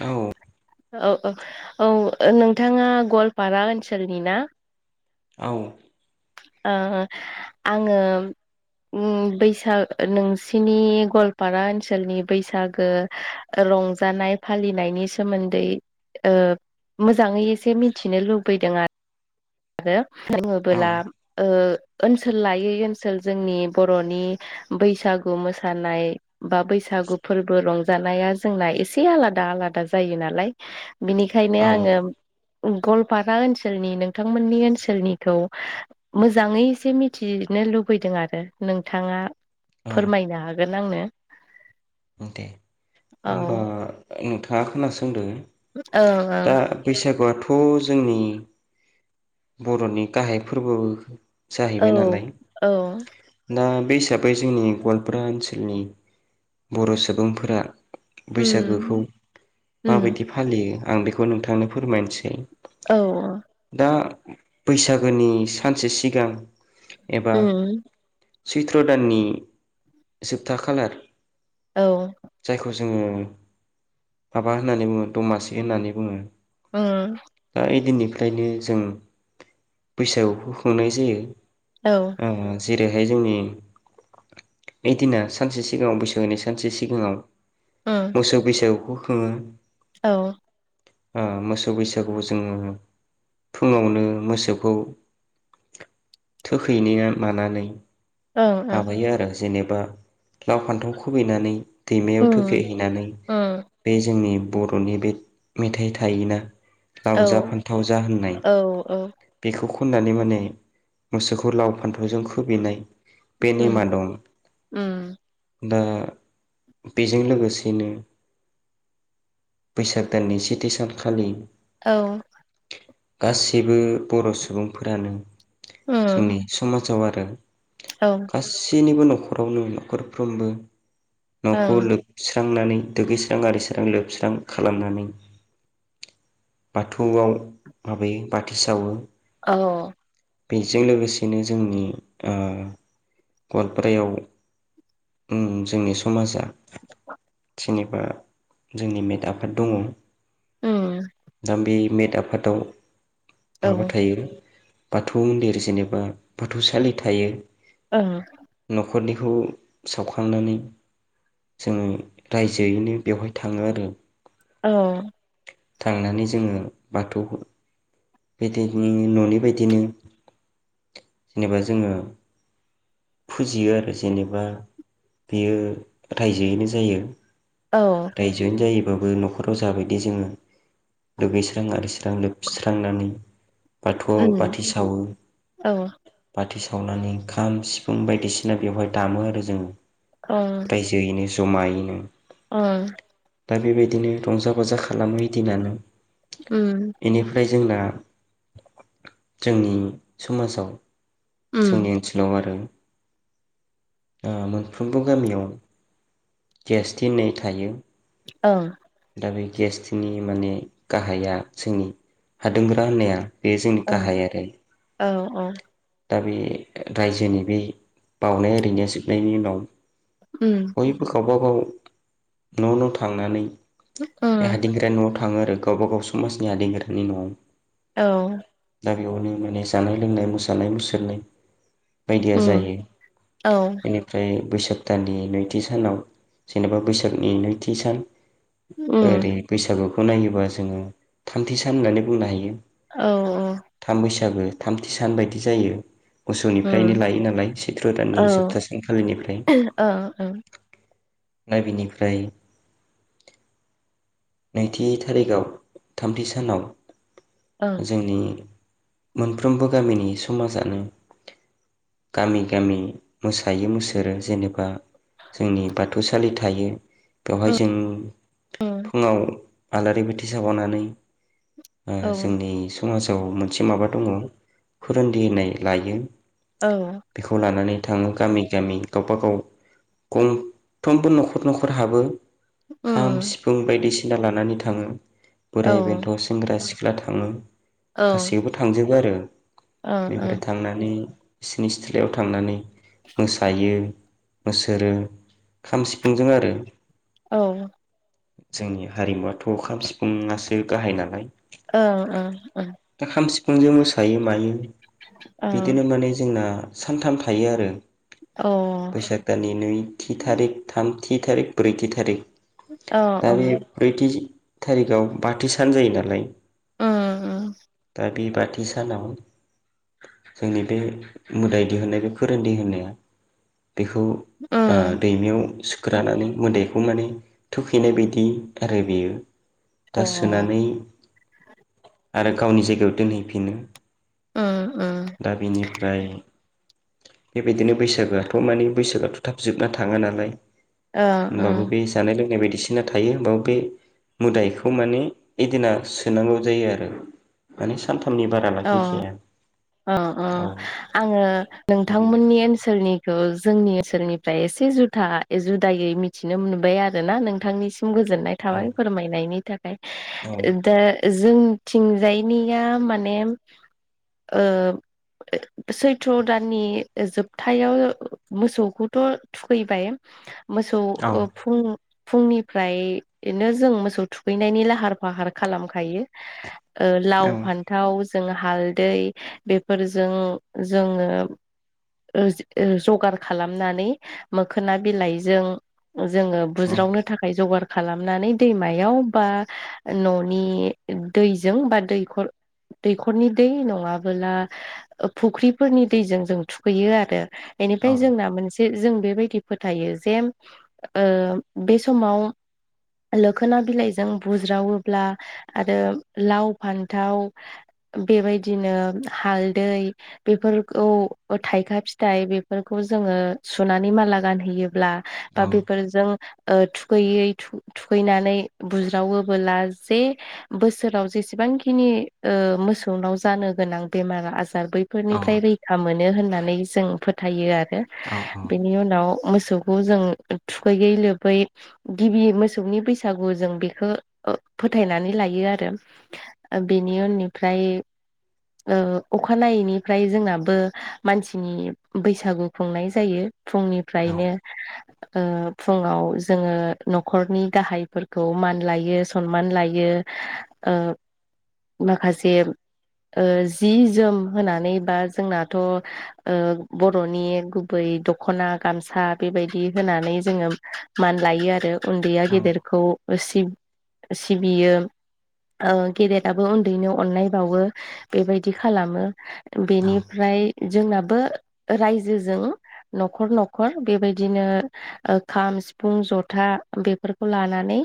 औ ओ औ नोंथाङा गवालपारा ओनसोलनि ना औ ओ आङो उम बैसा नोंसिनि गवालपारा ओनसोलनि बैसागो रंजानाय फालिनायनि सोमोन्दै ओ मोजाङै एसे मिथिनो लुबैदों आ आरो औ बुङोबोला ओनसोल लायै ओनसोल जोंनि बर'नि बैसागु मोसानाय बा बैसागु फोरबो रंजानाया जोंना एसे आलादा आलादा जायो नालाय। बिनिखायनो औ आङो। गलपारा ओनसोलनि नों नोंथांमोननि ओनसोलनिखौ मोजाङै एसे मिथिनो लुबैदों आरो नोंथाङा। औ फोरमायनो हागोन। नांनो दे होमबा नोथां हा खोनासोंदों ओं ओं दा बैसागुआथ' जोंनि बर'नि गाहाय फोरबो जाहैबाय औ नालाय औ दा बे हिसाबै जोंनि गवालपारा ओनसोलनि बर' सुबुंफोरा बैसागोखौ उम उम माबायदि फालियो आं बेखौ नोंथांनो फोरमायनोसै औ आ बैसागोनि सानसे सिगां उम सैत्र' दाननि जोबथा खालार औ जायखौ जों जोङो माबा होननानै बुङो दमासि होननानै बुङो उम ओ एदिननि ओंखायनो जों बैसागुखौ खुंनाय जायो औ ओ जेरैहाय जोंनि ओइदिना सानसे सिगाङाव बैसागोनि सानसे सिगाङाव उम मोसौ बैसागुखौ खुङो औ ओ मोसौ बैसागुआव जोङो फुङावनो मोसौखौ थुखैयनो मानानै ओं [unintelligible] ओं माबायो आरो जेनेब बा लाव फान्थाव खुबैनानै दैमायाव उम थोखैहैनानै उम बे जोंनि बर'नि बे मेथाइ थायोना लाव औ जा फान्थाव जा होननाय औ औ बेखौ खननानै माने मोसौखौ लाव फान्थाव जों खुबैनाय बे नेमा उम दं उम दा बेजों लोगोसेनो बैसाग दाननि सेथि सानखालि औ गासिबो बर' सुबुंफोरानो उम जोंनि समाजाव आ रो औ ओं गासिनिबो न' खरावनो न'खरफ्रोमबो नखौ लोबस स्रांनानै दुगैस्रां आरि स्रां लोबस्रां खालामनानै बाथौआव माबायो बाथि सावो। अह बेजों लोगोसेनो जोंनि ओ गवालपारायाव उम जोंनि समाजा जेनेबा जोंनि मेद आफाद दङ। उम दामबि मेद आफादाव औ माबा ओं थायो बाथौ मन्दिर जेनेबा बाथौसालि थायो। ओं फोरनिखौ सावखांनानै जोङो रायजोयैनो बेवहाय थाङो आरो। औ थांनानै जोङो बाथौखौ बे टाइपनि न'नि बायदिनो जेनेबा जोङो फुजियो आरो जेनेबा बेयो रायजोयैनो जायो। औ रायजोनो जायो बाबो न'खराव जाबायदि जोङो दुगैस्रां आरिस्रां लोबस्रांनानै बाथौआव उम बाथि सावो औ बाथि सा सावनानै ओंखाम सि फुं बायदिसिना बेवहाय दामो आरो जोंङो। रायजोयैनो जमायै नो। ओं दा बेबायदिनो रंजा बाजा खालामो ओइ दिनानो। उम जोंना जोंनि समाजाव उम जोंनि ओनसोलाव आरो ओ मोनफ्रोमबो गामियाव गियास्टि होननाय थायो। ओं दा बे गियास्टि माने गाहाया जोंनि हादुंगोरा होननाया बे जोंनि ओं गाहाय आरो। औ औ दा बे रायजोनि बे बाउनाय ओरिनाया जोबनायनि उनाव उम बयबो गाव गावबाव न' न' थांनानै बे उम हादिंगोरानि न'आव थां थाङो आरो गावबा गाव समाजनि हादिंगोरानि न'आव औ दा बेयावनो माने जानाय लोंनाय मोसानाय मुसुरनाय बायदिया उम जायो औ इनिफ्राय बैसाग दाननि नैथि सानाव जेनेबा बैसागनि नैथि सान उम ओरै बैसागु खौ नायोबा जोङो थामथि सान होननानै बुंनो हायो औ औ बो थामथि सान बायदि जायो मोसौनिफ्रायनो लायो नालाय सैत्र' औ दाननि जोबथा सानखालिनिफ्राय उम नाय बिनिफ्राय नैथि थारिखआव थामथि सानाव औ जोंनि मोनफ्रोमबो गामिनि समाजानो गामि गामि मोसायो मुसोरो जेनेबा जोंनि बाथौसालि थायो बेवहाय जों फुङाव आलारि बाथि सावनानै ओं जोंनि समाजाव मोनसे माबा दङ फोरान्दिनाय लायो ओं बेखौ लानानै थाङो गामि गामि गावब गाव गंफ्रोमबो न'खर न'खर हाबो खाम सिफुं बायदिसिना लानानै थाङो बोराय बेन्थ' सेंग्रा सिख्ला सिख्ला थाङो ओं उम गासैयावबो थांजोबो आरो औ बेनिफ्राय थांनानै बिसोरनि सिथ्लायाव थांनानै मोसायो बेसोरो खाम सिफुंजों आरो औ जोंनि हारिमुआथ' खाम सिफुंसो गाहाय नालाय ओं ओं ओं बिखंजों मोसायो मायो औ बिदिनो माने जोंना सानथाम थायो आरो ओं बैसाग दाननि ओं नैथि औ थारिक थाम थि थारिक ब्रैथि थारिख ओं दा अ बे ब्रैथि दिन थारिखआव बाथि सान जायो नालाय उम उम दा बे बाथि सानाव जोंनि बे मोदाय दिहुननाय बे फोरोनदि दिहुननाया बेखौ उम दैमायाव गोदानानै मोदैखौ माने थुखैनाय बायदि आरो बेयो अ उम दा सोनानै आरो गावनि जायगायाव दोनहैफिनो उम दा बेनिफ्राय बिदिनो बैसागोआथ' माने बैसागोआथ' थाब जोबना थाङा नालाय ओं होमबाबो ओं बे जानाय लोंनाय बायदि बिसिना थायो होमबाबो बे मोदायखौ माने इदिना सोनांगौ जायो आरो माने सानथाम उननि बारा लाखि खाया अ अ आङो दा नोंथांमोननि बिनिफ्राय ओनसोलनिखौ जोंनि ओनसोलनिफ्राय एसे जुथा जुदायै मिथिनो मोनबाय आरो ना नोंथांनि सम गोजोननाय औ थाबाय फोरमायनायनि थाखाय औ ओम दे जों थिं जायनिया माने ओ सैथ्र' दाननि जोबथायाव मोसौखौथ' थुखैबाय मोसौ औ फुं फुंनिफ्रायनो जों मोसौ थुखैनायनि लाहार फाहार खालाम खायो ओ औ लाव फान्थाव जोंङो हालदै बेफोरजों जोङो जों जगार खालामनानै मोखोना बिलाइजों जोङो औ बुज्रावनो थाखाय जगार खालामनानै दैमा मायाव बा औ न'नि दैजों बा दैखर दैखरनि दै नङा बोला फुख्रिफोरनि दैजों जों थुखैयो आरो। इनिफाय जोंना मोनसे जों बेबायदि फोथायो जे ओ बे समाव लोखोना बिलाइजों बुज्रावोब्ला आरो लाव फान्थाव बेबायदिनो हालदै बेफोरखौ थाइखा फिथाइ बेफोरखौ जोङो सुनानै माला गानहैयोब्ला औ बा बेफोरजों ओ थुखैयै थुखैनानै बुज्रावोबोला जे बोसोराव जेसेबांखिनि मोसौनाव जानो गोनां बेमार आजा औ बैफोरनिफ्राय रैखा मोन नों होननानै जों फोथायो आरो ओ बिनि उनाव मोसौखौ जों थुखैयै लोबै गिबि मोसौनि बैसागु जों बेखौ फोथायनानै लायो आरो बेनि उननिफ्राय ओ अखानायैनिफ्राय ओ जोंनाबो मानसिनि बैसागु खुंनाय जायो। फुंनिफ्रायनो ओ फुङाव जोङो न'खरनि गाहायफोरखौ मान लायो सनमान लायो ओ माखासे ओ जि जोम होनानै बा जोंनाथ' ओ बर'नि गुबै दख'ना गामसा बेबायदि होनानै जोङो मान लायो आरो। उन्दैया गेदेरखौ ओसि सिबियो गेदेराबो उन्दैनो अननाय बावो। बेबायदि खालामो। बेनिफ्राय जोंनाबो रायजोजों न'खर न'खर बेबायदिनो खाम सिफुं जथा बेफोरखौ लानानै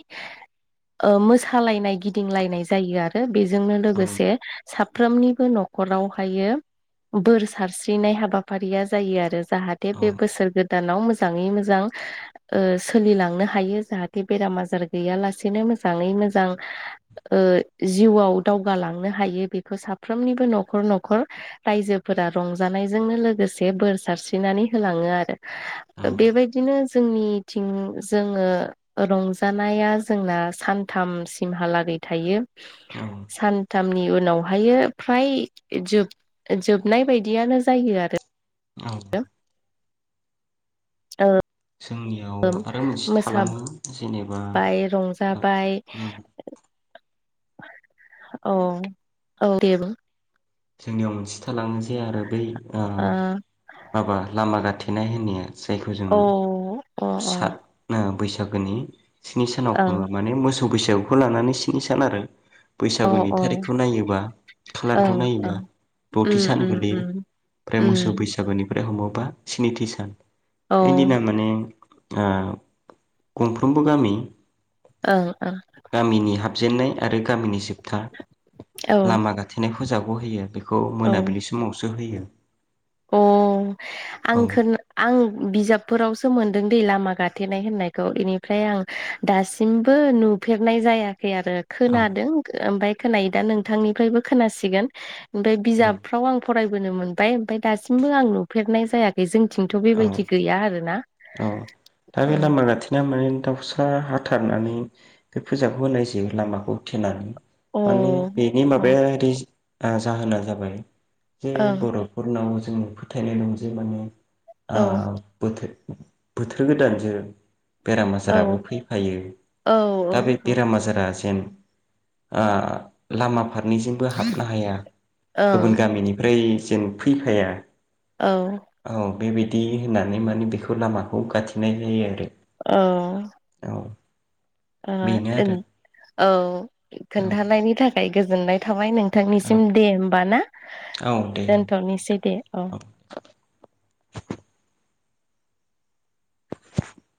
मोसालायनाय गिदिंलायनाय जायो आरो। बेजोंनो लोगोसे सा साफ्रोमनिबो न'खरावहायो बोर सारस्रिनाय हाबाफारिया जायो आरो। जाहाथे बे बोसोर गोदान। गोदानाव मोजाङै मोजां सोलिलांनो हायो जाहाथे बेराम आजार गैयालासेनो मोजाङै मोजां जिउआव दावगालांनो हायो बेखौ। साफ्रोमनिबो न'खर न'खर रायजोफोरा रंजानायजोंनो लोगोसे बोर सारस्रिनानै होलाङो आरो बेबायदिनो जोंनिथिं जोङो रंजानाया जोंना सानथामसिमहालागै थायो। औ औ सान्थ सानथामनि उनाव फ्राय जोब जोबनाय बायदियानो जायो आरो। औ ओ जोंनियाव आरो मोनसे थालाङो जेनेबा मोसाबाय ओ रंजाबाय उम औ औ‌ दे बुं जोंनियाव मोनसे थालांनोसै आरो बै माबा लामा गाथे [unintelligible] जायखौ जोङो ओ औ फिसा अ बैसाग लोगोनि स्नि सानाव अ खुङो ओं माने मोसौ मोसौ बैसागोखौ लानानै स्रि सान आरो अ बैसागुनि थारिखौ नायोबा कालारखौ ओं ओं दथि उम सान उम गोलैयो उम ओमफ्राय मोसौ उम बैसागुनि ओमफ्राय हमोबा स्निथि सान औ ओं एदिना माने गंफ्रोमबो गामि ओं ओं हाबजेनन्नाय आरो गामिनि जोबथा लामा गाथेनाय फोजाखौ होयो बेखौ बेखौ औ मोनाबिलि समावसो होयो अ औ आं खो आं बिजाबफोराव मोनदो दै लामा गाथेनाय होननायखौ बेनिफ्राय आं दासिमबो नुफेरनाय जाया खै आरो औ खोनादों ओमफाय खोनायो दा नोंथांनिफ्रायबो खोनासिगोन ओमफ्राय औ बिजाबफ्राव आं फराय बोनो मोनबाय ओमफ्राय दासिमबो आं नुफेरनाय जायाखै जों औ औ दा बे लामा खाथिना माने दाउसा हाथा सारनानै बे फुजाखौ होनाय जायो लामाखौ थेनानै ओ माने बेनि अ माबाया ओरै जाहोना जाबाय जे अ बर'फोरनाव जों फोथायनाय दं जे माने आ ओं बोथोर गोदानजों बेराम औ आजाराबो फैफायो औ दा बे बेराम आजारा जेन आ लामा आफादनिजोंबो हाबनो हाया औ ओं गुबुन गामिनिफ्राय जेन फैफाया औ। औ बेबायदि होननानै माने बेखौ लामाखौ गाथेनाय जायो आरो ओ औ ओ बेनो दोन आरो औ औ खोन्थानायनि थाखाय गोजोननाय थाबाय। थाबाय औ नोंथांनिसिम दे होमबा ना औ दे दोनथ'नोसै दे औ।